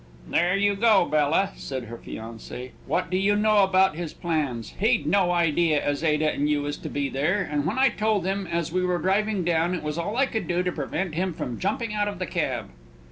"There you go, Bella!" said her fiancé. "What do you know about his plans? He'd no idea as Ada and you was to be there; and when I told him, as we were driving down, it was all I could do to prevent him jumping out of the cab."